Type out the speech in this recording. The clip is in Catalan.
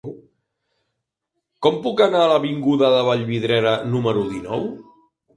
Com puc anar a l'avinguda de Vallvidrera número dinou?